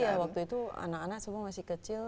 iya waktu itu anak anak semua masih kecil